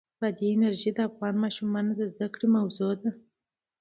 بادي انرژي د افغان ماشومانو د زده کړې موضوع ده.